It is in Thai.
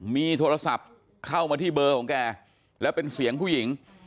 มีโทรศัพท์เข้ามาที่เบอร์ของแกแล้วเป็นเสียงผู้หญิง